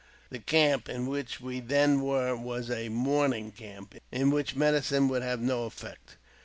The camp in which we then were was a mourning camp, in which medicine would have no effect.